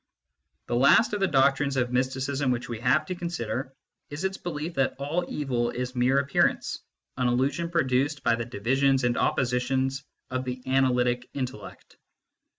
The last of the doctrines of mysticism which we have to consider is its belief that all evil is mere appearance, an illusion produced by the divisions and oppositions of the analytic intellect.